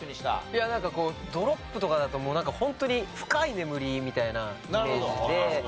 いやなんかこうドロップとかだともうなんかホントに深い眠りみたいなイメージで。